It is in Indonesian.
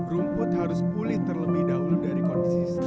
rumput harus pulih terlebih dahulu dari kondisi